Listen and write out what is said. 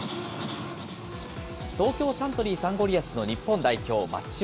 東京サントリーサンゴリアスの日本代表、松島。